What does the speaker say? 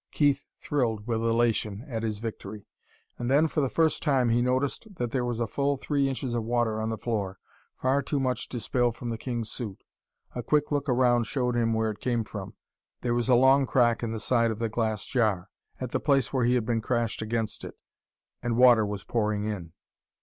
Keith thrilled with elation at his victory. And then, for the first time, he noticed that there was a full three inches of water on the floor far too much to spill from the king's suit. A quick look around showed him where it came from. There was a long crack in the side of the glass jar, at the place where he had been crashed against it and water was pouring in!